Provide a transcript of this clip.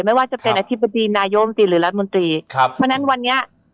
ไม่ว่าจะเป็นอธิบดีนายมตรีหรือรัฐมนตรีครับเพราะฉะนั้นวันนี้